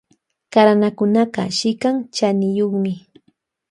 Karanakunaka shikan chaniyukmi.